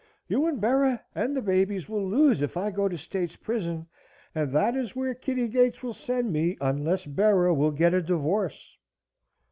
You and Bera and the babies will lose if I go to state's prison, and that is where Kitty Gates will send me unless Bera will get a divorce."